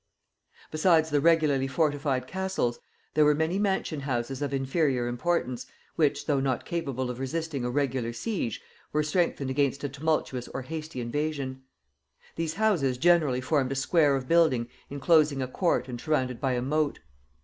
Besides the regularly fortified castles, there were many mansion houses of inferior importance, which, though not capable of resisting a regular siege, were strengthened against a tumultuous or hasty invasion. These houses generally formed a square of building enclosing a court and surrounded by a moat.